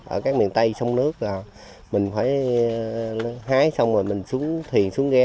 ở các miền tây sông nước là mình phải hái xong rồi mình xuống thuyền xuống ghe